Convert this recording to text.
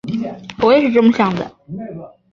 我也是这么想的